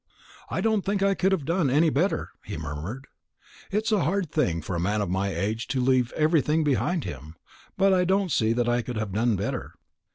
"I don't think I could have done any better," he murmured. "It's a hard thing for a man of my age to leave everything behind him; but I don't see that I could have done better."